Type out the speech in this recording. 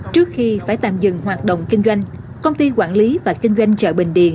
trước khi phải tạm dừng hoạt động kinh doanh công ty quản lý và kinh doanh chợ bình điền